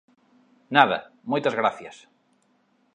Nada, moitas gracias...